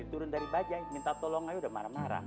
turun dari bajaj minta tolong aja udah marah marah